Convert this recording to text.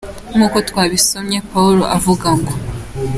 Nkuko twabisomye Pawulo avuga ngo: “….